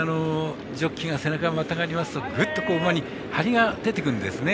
ジョッキーが背中にまたがりますと、ぐっと馬にハリが出てくるんですね。